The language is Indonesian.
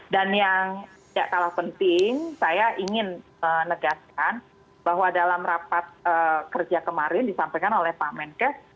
dan yang tidak kalah penting saya ingin menegaskan bahwa dalam rapat kerja kemarin disampaikan oleh pak menkes